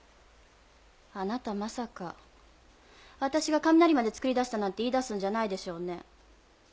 あなたまさか私が雷までつくり出したなんて言い出すんじゃないでしょうね？